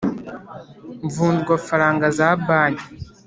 Mvunjwafaranga za banki